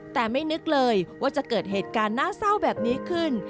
แต่ไม่นึกเลยว่าจะเกิดเหตุการณ์น่าเศร้าแบบนี้ขึ้น